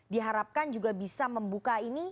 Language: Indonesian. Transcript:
diharapkan juga bisa membuka ini